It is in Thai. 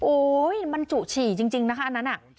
โอ๊ยมันจุฉี่จริงนะคะอันนั้นน่ะ